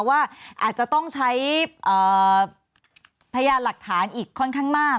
ว่าอาจจะต้องใช้พยานหลักฐานอีกค่อนข้างมาก